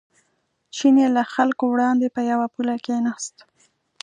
چیني له خلکو وړاندې په یوه پوله کېناست.